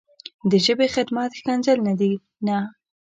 د ژبې خدمت ښکنځل نه دي نه.